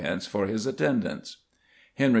for his attendants. Henry V.